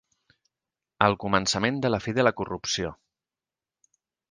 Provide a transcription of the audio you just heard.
El començament de la fi de la corrupció